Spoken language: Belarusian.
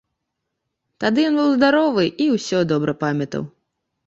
Тады ён быў здаровы і ўсё добра памятаў.